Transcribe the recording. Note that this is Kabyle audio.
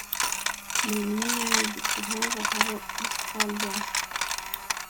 Mlmi ɣa tdwld ɣur Australia?